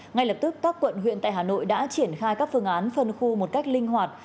ngay lập tức các quận huyện tại hà nội đã triển khai các phương án phân khu một cách linh hoạt